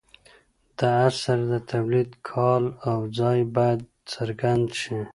د اثر د تولید کال او ځای باید څرګند شي.